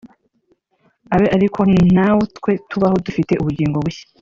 abe ari ko natwe tubaho dufite ubugingo bushya